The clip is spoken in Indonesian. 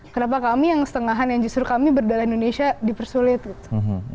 kenapa kami yang setengahan yang justru kami berdarah indonesia dipersulit gitu